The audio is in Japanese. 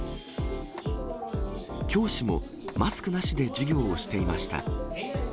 教師もマスクなしで授業をしていました。